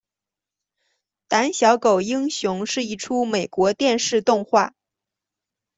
胆小狗英雄是一出美国电视动画。